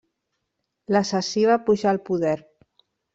L'assassí va pujar al poder.